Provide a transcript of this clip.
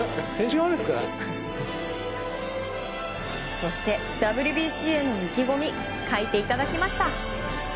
そしてＷＢＣへの意気込み書いていただきました！